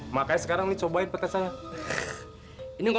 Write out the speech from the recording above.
makanya sekarang cobain petai saya